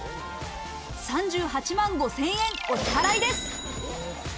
３８万５０００円をお支払いです。